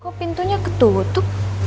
kok pintunya ketutup